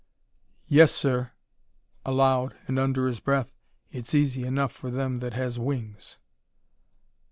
"Yes, sir," aloud, and under his breath, "It's easy enough for them that has wings."